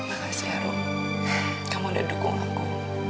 makasih ya ruh kamu udah dukung aku